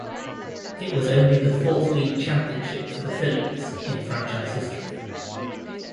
It was only the fourth league championship for the Phillies in franchise history.